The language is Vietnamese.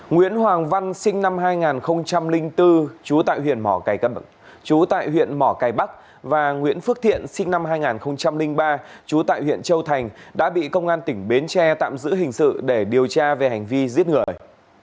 nguyễn hoàng văn sinh năm hai nghìn bốn chú tại huyện mỏ cài bắc và nguyễn phước thiện sinh năm hai nghìn ba chú tại huyện châu thành đã bị công an tỉnh bến tre tạm giữ hình sự để điều tra về hành vi giết người